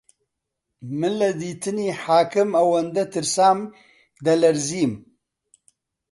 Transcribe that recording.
من لە دیتنی حاکم ئەوەندە ترسام دەلەرزیم